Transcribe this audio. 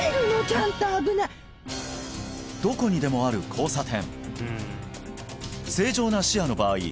ちゃんと危ないどこにでもある交差点正常な視野の場合